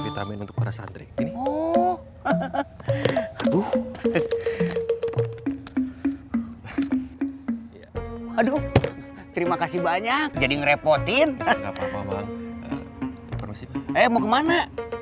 vitamin untuk para santri ini aduh terima kasih banyak jadi ngerepotin eh mau kemana